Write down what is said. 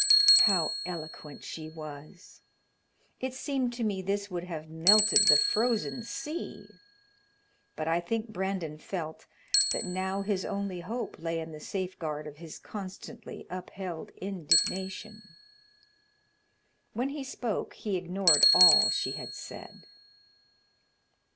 How eloquent she was! It seemed to me this would have melted the frozen sea, but I think Brandon felt that now his only hope lay in the safeguard of his constantly upheld indignation. When he spoke he ignored all she had said.